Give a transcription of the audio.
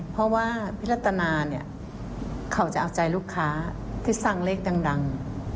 เพราะว่าพิรตนาเขาจะอาจใจลูกค้าที่สั่งเลขดัง